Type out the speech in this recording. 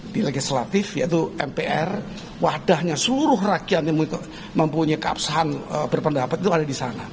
di legislatif yaitu mpr wadahnya seluruh rakyat yang mempunyai keabsahan berpendapat itu ada di sana